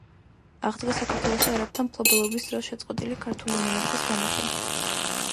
აღდგა საქართველოში არაბთა მფლობელობის დროს შეწყვეტილი ქართული მონეტის გამოშვება.